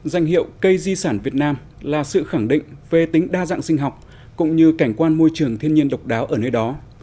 danh hiệu cây di sản việt nam là sự khẳng định về tính đa dạng sinh học cũng như cảnh quan môi trường thiên nhiên độc đáo ở nơi đó